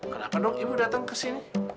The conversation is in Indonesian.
kenapa dong ibu datang ke sini